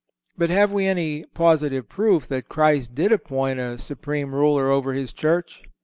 But have we any positive proof that Christ did appoint a supreme Ruler over His Church?